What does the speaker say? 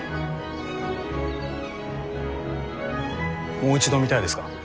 もう一度見たいですか？